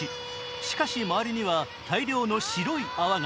しかし周りには大量の白い泡が。